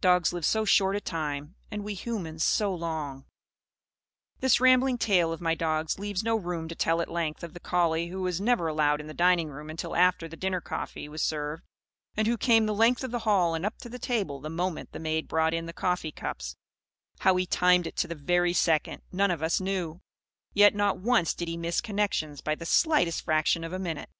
Dogs live so short a time; and we humans so long! This rambling tale of my dogs leaves no room to tell at length of the collie who was never allowed in the dining room until the after dinner coffee was served; and who came the length of the hall and up to the table the moment the maid brought in the coffee cups (how he timed it to the very second, none of us knew; yet not once did he miss connections by the slightest fraction of a minute).